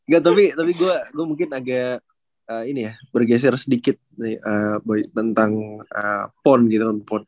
gak tapi gue mungkin agak ini ya bergeser sedikit tentang pon gitu